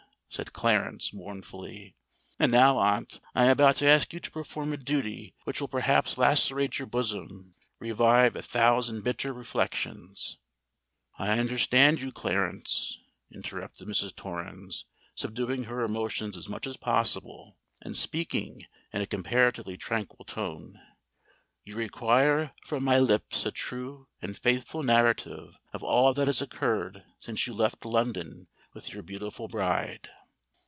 said Clarence, mournfully. "And now, aunt, I am about to ask you to perform a duty which will perhaps lacerate your bosom—revive a thousand bitter reflections—" "I understand you, Clarence," interrupted Mrs. Torrens, subduing her emotions as much as possible, and speaking in a comparatively tranquil tone: "you require from my lips a true and faithful narrative of all that has occurred since you left London with your beautiful bride?